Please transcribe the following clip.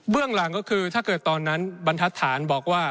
เรื่องหลังก็คือถ้าเกิดตอนนั้นบรรทัศน์บอกว่า